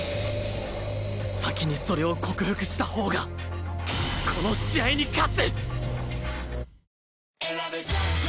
先にそれを克服したほうがこの試合に勝つ！